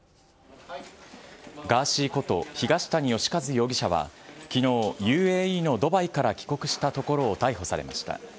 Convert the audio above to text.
ガーシーこと東谷義和容疑者は、きのう、ＵＡＥのドバイから帰国したところを逮捕されました。